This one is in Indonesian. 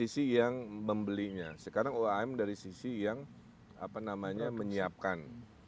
sekarang oam dari sisi yang menyiapkan